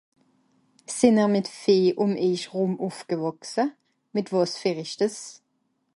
Sìn'r mìt Vieh ùm éich rùm ufgewàchse? Mìt wàs ferischdes?